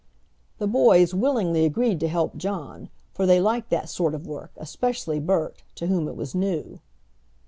The boys willingly agreed to help John, for they liked that sort of work, especially Bert, to whom it was new.